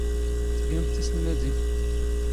ⵜⴳⴰⵎⵜ ⵜⵉⵙⵍⵎⴰⴷⵉⵏ.